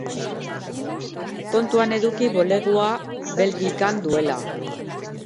Kontuan eduki bulegoa Belgikan duela.